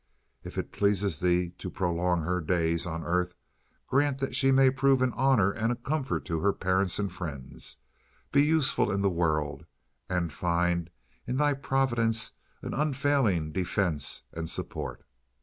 If it please Thee to prolong her days on earth, grant that she may prove an honor and a comfort to her parents and friends, be useful in the world, and find in Thy Providence an unfailing defense and support.